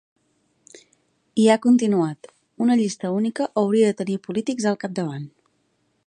I ha continuat: ‘Una llista única hauria de tenir polítics al capdavant’.